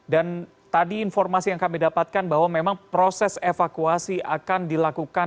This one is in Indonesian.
dan tadi informasi yang kami dapatkan bahwa memang proses evakuasi akan dilakukan